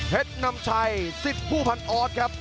เฮ็ดนำชัย๑๐ผู้พันออสครับ